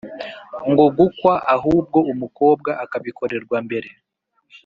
no gukwa, ahubwo umukobwa akabikorerwa mbere